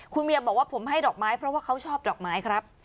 คุณเมียบอกว่าผมให้ดอกไม้เพราะว่าเขาชอบดอกไม้ครับ